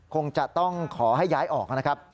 คงจะต้องขอให้ย้ายออกนะครับ